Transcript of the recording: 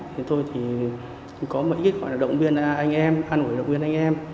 thì thôi thì có mấy kết quả là động viên anh em an ủi động viên anh em